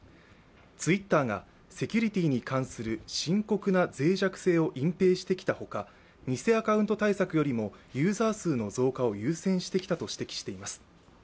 ツイッターがセキュリティーに関する深刻な脆弱性を隠蔽してきたほか、偽アカウント対策よりもユーザー数の増加を優先してきたと指摘しています。